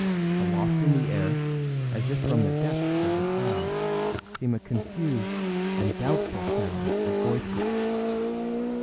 Aloft in the air, as if from the depths of the cloud, came a confused and doubtful sound of voices.